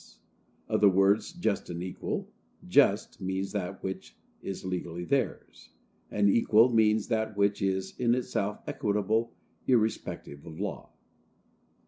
Of the words "just and equal," "just" means that which is legally theirs, and "equal" means that which is in itself equitable, irrespective of law.